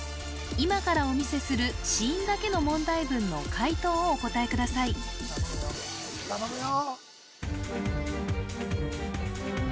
今からお見せする子音だけの問題文の解答をお答えください頼むよ